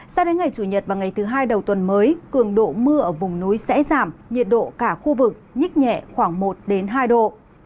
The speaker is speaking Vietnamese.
sao đến ngày chủ nhật và ngày thứ hai đầu tuần mới cường độ mưa ở vùng núi sẽ giảm nhiệt độ cả khu vực nhích nhẹ khoảng một hai độ